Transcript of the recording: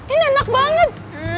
ini enak banget